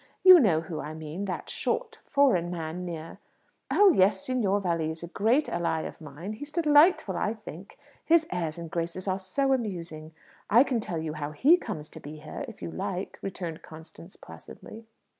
You know who I mean? That short, foreign man near " "Oh yes; Signor Valli is a great ally of mine. He's delightful, I think. His airs and graces are so amusing. I can tell you how he comes to be here, if you like," returned Constance placidly.